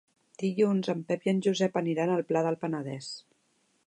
Dilluns en Pep i en Josep aniran al Pla del Penedès.